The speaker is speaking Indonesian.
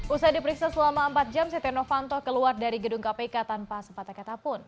usai diperiksa selama empat jam setia novanto keluar dari gedung kpk tanpa sepatah kata pun